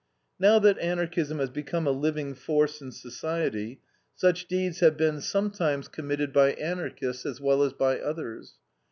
"Now that Anarchism has become a living force in society, such deeds have been sometimes committed by Anarchists, as well as by others.